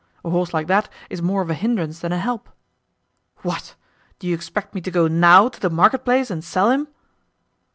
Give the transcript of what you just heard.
A horse like that is more of a hindrance than a help." "What? Do you expect me to go NOW to the market place and sell him?"